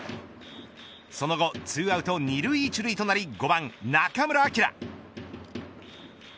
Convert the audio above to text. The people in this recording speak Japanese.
その後、２アウト２塁１塁となり５番、中村晃。